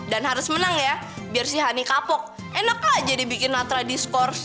dan harus menang ya biar si honey kapok enak lah jadi bikin latra discourse